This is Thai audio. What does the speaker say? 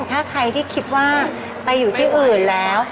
ถ้าใครที่คิดว่าไปอยู่ที่อื่นแล้ว